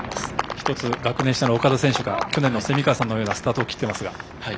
１つ学年下の岡田選手が去年の蝉川さんのようなスタートを切っています。